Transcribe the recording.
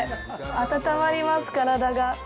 温まります、体が。